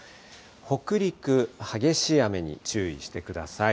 北陸、激しい雨に注意してください。